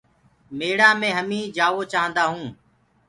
ميڙآ مي همي جآوو چآهندآ هونٚ۔